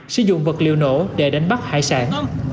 sử dụng vật liệu nổ để đánh bắt hải sản